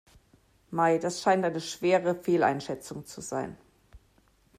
Mei, das scheint eine schwere Fehleinschätzung zu sein.